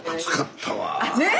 ねえ！